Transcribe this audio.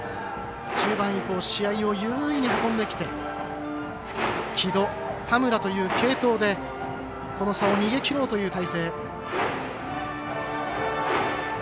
中盤以降試合を優位に運んできて城戸、田村という継投でこの差を逃げきろうという体制。